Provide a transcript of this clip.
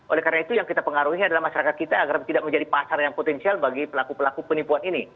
oleh karena itu yang kita pengaruhi adalah masyarakat kita agar tidak menjadi pasar yang potensial bagi pelaku pelaku penipuan ini